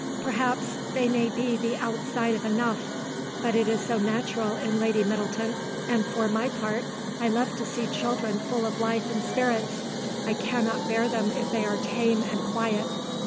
Perhaps they may be the outside of enough, but it is so natural in Lady Middleton, and for my part I love to see children full of life and spirits; I cannot bear them if they are tame and quiet.